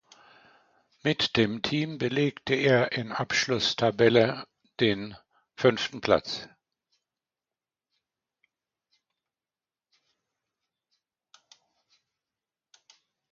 Mit dem Team belegte er in Abschlusstabelle den fünften Platz.